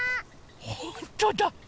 ほんとだ！